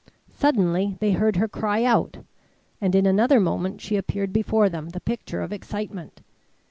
Suddenly they heard her cry out, and in another moment she appeared before them, the picture of excitement.